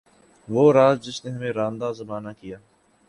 وہ راز جس نے ہمیں راندۂ زمانہ کیا